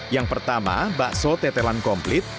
yang pertama bakso tetelan komplit